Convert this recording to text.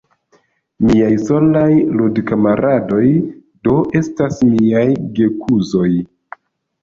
Miaj solaj ludkamaradoj, do, estas miaj gekuzoj.